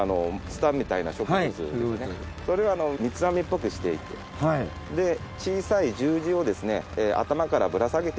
それを三つ編みっぽくしていて小さい十字を頭からぶら下げている。